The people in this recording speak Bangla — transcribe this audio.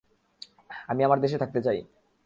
আমি আমার দেশে থাকতে চাই।